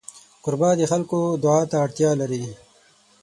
کوربه د خلکو دعا ته اړتیا لري.